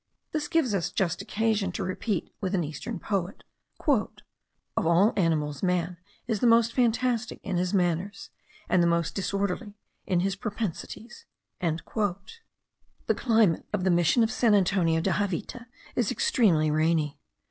This gives us just occasion to repeat with an eastern poet, "of all animals man is the most fantastic in his manners, and the most disorderly in his propensities." The climate of the mission of San Antonio de Javita is extremely rainy.